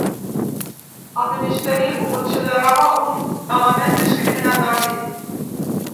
El ministeri ho considerava un element discriminatori.